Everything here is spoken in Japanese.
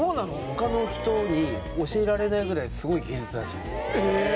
他の人に教えられないぐらいすごい技術らしいんですよ